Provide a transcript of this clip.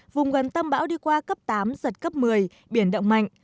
vùng gần tâm bão đi qua cấp tám giật cấp một mươi biển động mạnh